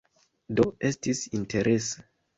Do, estis interese